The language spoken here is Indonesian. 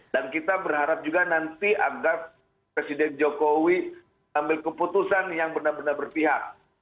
dan kita berharap juga nanti agar presiden jokowi ambil keputusan yang benar benar berpihak